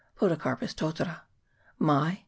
Podocarpus totara. Mai .